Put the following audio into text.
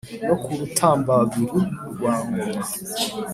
No ku Rutambabiru rwa ngoma